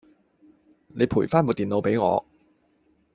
你陪返部電腦畀我